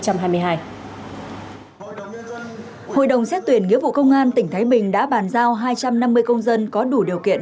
hội đồng xét tuyển nghĩa vụ công an tỉnh thái bình đã bàn giao hai trăm năm mươi công dân có đủ điều kiện